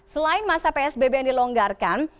selain masa psbb yang dilonggarkan